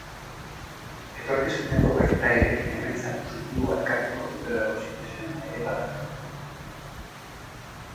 Etorkizuneko gertaerek emaitza positiboa ekarriko dutelako sinesmena ere bada.